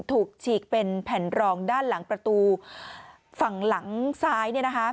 ฉีกเป็นแผ่นรองด้านหลังประตูฝั่งหลังซ้าย